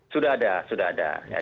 sudah ada sudah ada